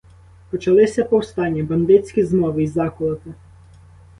Почалися повстання, бандитські змови й заколоти.